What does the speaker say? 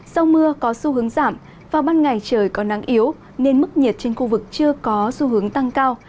sau mưa có xu hướng giảm vào ban ngày trời có nắng yếu nên mức nhiệt trên khu vực chưa có xu hướng tăng cao